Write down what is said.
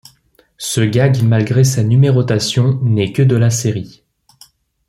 Ce gag malgré sa numérotation n'est que de la série.